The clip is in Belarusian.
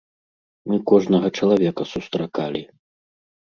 Мы кожнага чалавека сустракалі.